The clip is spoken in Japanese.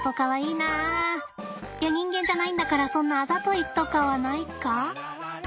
いや人間じゃないんだからそんなあざといとかはないか。